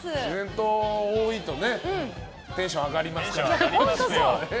多いとテンション上がりますからね。